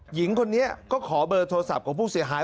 หญิงคนนี้ก็ขอเบอร์โทรศัพท์ของผู้เสียหาย